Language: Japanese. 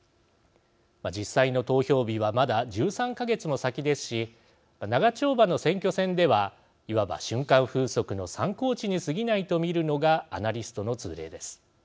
実際の投票日はまだ１３か月も先ですし長丁場の選挙戦ではいわば瞬間風速の参考値にすぎないと見るのがアナリストの通例です。